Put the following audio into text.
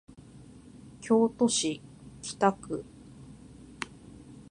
京都市北区